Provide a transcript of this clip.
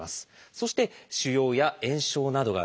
そして腫瘍や炎症などがないと。